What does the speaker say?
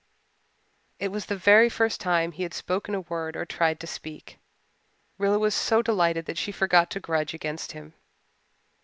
It was the very first time he had spoken a word or tried to speak. Rilla was so delighted that she forgot her grudge against him.